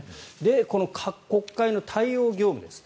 この国会の対応業務です。